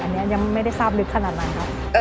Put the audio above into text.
อันนี้ยังไม่ได้ทราบลึกขนาดนั้นครับ